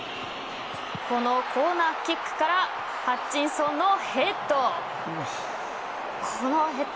このコーナーキックからハッチンソンのヘッド。